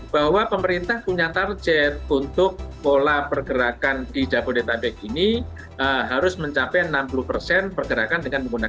bahwa pemerintah punya target untuk pola pergerakan di jabodetabek ini harus mencapai enam puluh persen pergerakan dengan menggunakan